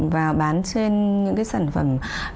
và bán trên những cái sản phẩm